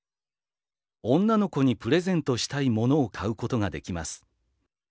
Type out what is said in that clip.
女の子にプレゼントしたい物を買うことができます。